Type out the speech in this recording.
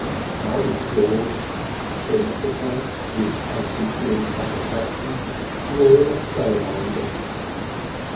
"I'm insured," said Mr. Clamp, with unconcealed satisfaction. "Royal Salamander."